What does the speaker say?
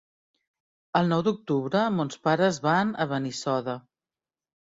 El nou d'octubre mons pares van a Benissoda.